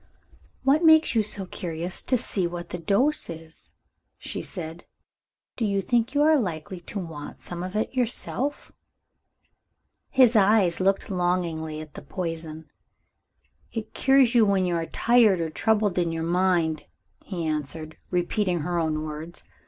"What makes you so curious to see what the dose is?" she said. "Do you think you are likely to want some of it yourself?" His eyes looked longingly at the poison. "It cures you when you are tired or troubled in your mind," he answered, repeating her own words.